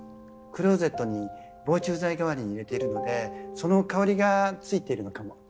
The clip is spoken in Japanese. クローゼットに防虫剤代わりに入れてるのでその香りがついているのかも。